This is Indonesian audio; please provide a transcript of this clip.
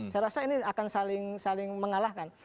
saya rasa ini akan saling mengalahkan